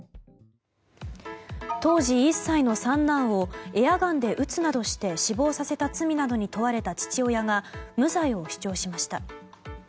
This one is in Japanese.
当時１歳の三男をエアガンで撃つなどして死亡させた罪などに問われた父親が無罪を主張しました。